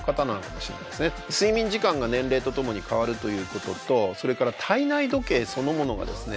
睡眠時間が年齢とともに変わるということとそれから体内時計そのものがですね